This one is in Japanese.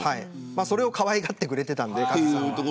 それをかわいがってくれていたので。